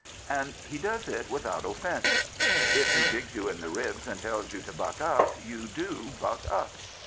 And he does it without offence. If he digs you in the ribs and tells you to " Buck up," you do " buck up."